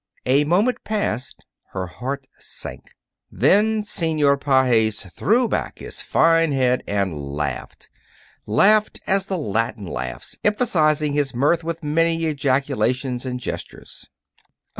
A moment passed. Her heart sank. Then Senor Pages threw back his fine head and laughed laughed as the Latin laughs, emphasizing his mirth with many ejaculations and gestures.